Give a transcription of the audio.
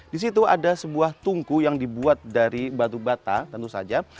di situ ada sebuah tungku yang dibuat dari batu bata tentu saja